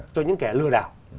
cho những kẻ lừa đảo